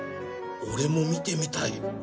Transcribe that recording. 俺も見てみたい